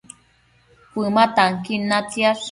Cuëma tanquin natsiash